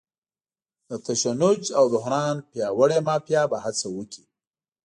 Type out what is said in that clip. د تشنج او بحران پیاوړې مافیا به هڅه وکړي.